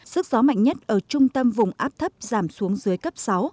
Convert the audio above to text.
sức gió mạnh nhất ở trung tâm vùng áp thấp giảm xuống dưới cấp sáu